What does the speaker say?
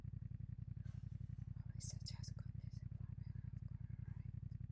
Her research has considered families and chronic illness.